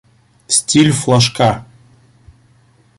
Стиль флажка